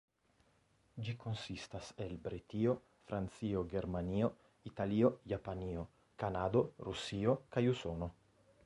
Ĝi konsistas el Britio, Francio, Germanio, Italio, Japanio, Kanado, Rusio kaj Usono.